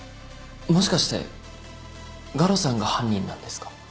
もしかして我路さんが犯人なんですか？